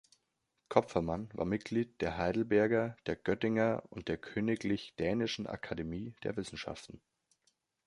Kopfermann war Mitglied der Heidelberger, der Göttinger und der Königlich Dänischen Akademie der Wissenschaften.